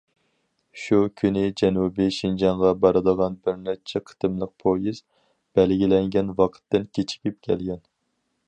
شۇ كۈنى جەنۇبىي شىنجاڭغا بارىدىغان بىرقانچە قېتىملىق پويىز بەلگىلەنگەن ۋاقىتتىن كېچىكىپ كەلگەن.